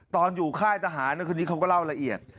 ตอนอยู่ค่ายทหารคืนนี้เขาก็เล่าละเอียด